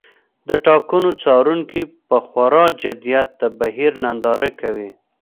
د ټاکنو څارونکي په خورا جدیت د بهیر ننداره کوي.